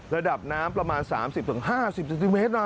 ระดับน้ำประมาณ๓๐๕๐เซนติเมตรนะ